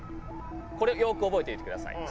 これよく覚えていてください。